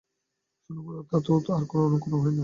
শূন্য- পদার্থের তো আর অনুকরণ হয় না।